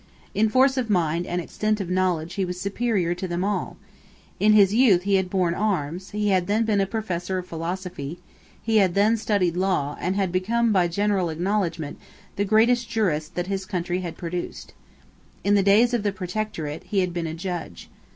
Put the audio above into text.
In force of mind and extent of knowledge he was superior to them all. In his youth he had borne arms: he had then been a professor of philosophy: he had then studied law, and had become, by general acknowledgment, the greatest jurist that his country had produced. In the days of the Protectorate, he had been a judge.